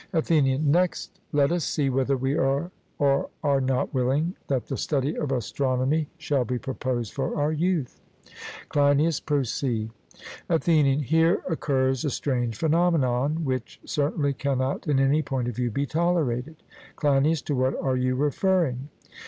ATHENIAN: Next let us see whether we are or are not willing that the study of astronomy shall be proposed for our youth. CLEINIAS: Proceed. ATHENIAN: Here occurs a strange phenomenon, which certainly cannot in any point of view be tolerated. CLEINIAS: To what are you referring?